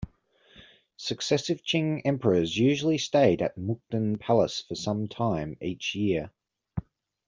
Successive Qing emperors usually stayed at Mukden Palace for some time each year.